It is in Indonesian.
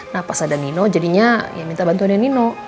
nah pas ada nino jadinya minta bantuan nino